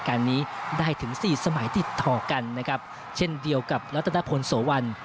การนี้ได้ถึงสี่สมัยติดต่อกันนะครับเช่นเดียวกับรัตนพลโสวัน